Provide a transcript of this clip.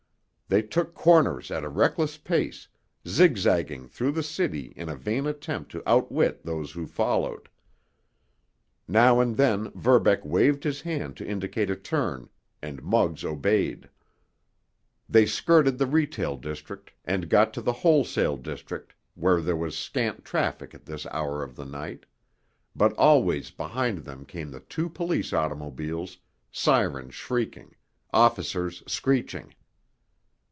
They took corners at a reckless pace, zigzagging through the city in a vain attempt to outwit those who followed. Now and then Verbeck waved his hand to indicate a turn, and Muggs obeyed. They skirted the retail district, and got to the wholesale district, where there was scant traffic at this hour of the night, but always behind them came the two police automobiles, sirens shrieking, officers screeching.